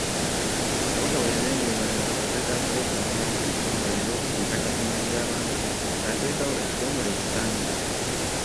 Kabaka bwe yalengeranga obwetaavu bw’okubangawo ekitongole olw’okuddukanya emirimu gy’abantu be ng’ateekawo ekitongole ekisaanira.